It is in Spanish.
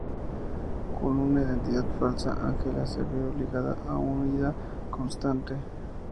Con una identidad falsa, Angela se ve obligada a una huida constante.